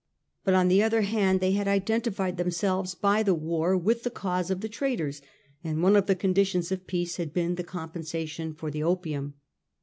But, on the other hand, they had identified themselves by the war with the cause of the traders ; and one of the conditions of peace had been the compensation for the opium.